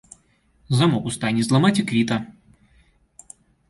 Замок у стайні зламаць, і квіта!